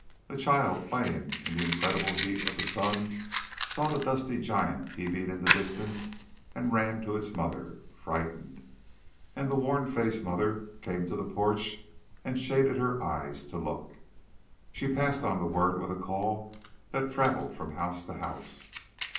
A child, playing in the incredible heat of the sun, saw the dusty giant heaving in the distance and ran to its mother, frightened, and the worn faced mother came to the porch and shaded her eyes to look. She passed on the word with a call that traveled from house to house.